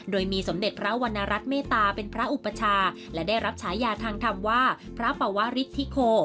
โดยมีสมเด็จพระวรรณรัฐเมตตาเป็นพระอุปชาและได้รับฉายาทางธรรมว่าพระปวริทธิโค